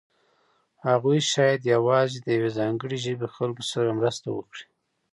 هغوی شاید یوازې د یوې ځانګړې ژبې خلکو سره مرسته وکړي.